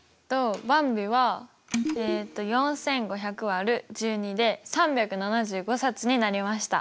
ばんびはえと４５００÷１２で３７５冊になりました。